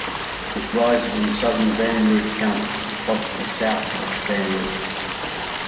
It rises in southern Van Wert County, approximately south of Van Wert.